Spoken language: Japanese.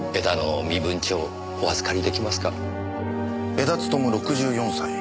江田勉６４歳。